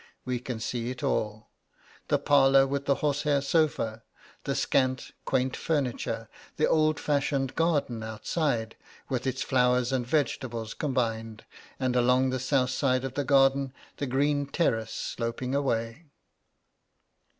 We can see it all: the parlour with the horsehair sofa, the scant, quaint furniture, the old fashioned garden outside, with its flowers and vegetables combined, and along the south side of the garden the green terrace sloping away.